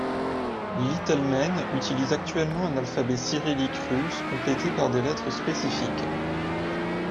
L'itelmène utilise actuellement un alphabet cyrillique russe complété par des lettres spécifiques.